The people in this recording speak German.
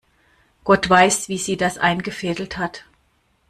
Gott weiß, wie sie das eingefädelt hat.